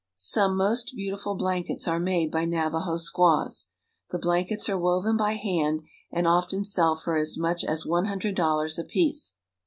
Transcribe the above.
Some most beautiful blankets are made by Navajo squaws. The blankets are woven by hand, and often sell for as much as one hundred dollars apiece.